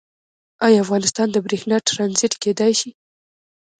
آیا افغانستان د بریښنا ټرانزیټ کیدی شي؟